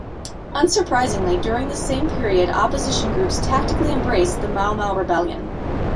Unsurprisingly, during this same period opposition groups tactically embraced the Mau Mau rebellion.